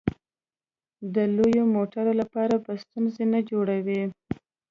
د لویو موټرو لپاره به ستونزې نه جوړوې.